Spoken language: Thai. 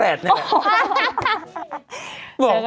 ตัตะแลดนั่นแบบไง